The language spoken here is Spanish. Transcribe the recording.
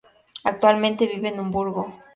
Actualmente vive en Hamburgo.